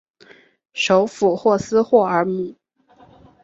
首府霍斯霍尔姆。